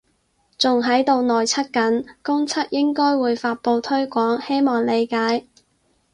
仲喺度內測緊，公測應該會發佈推廣，希望理解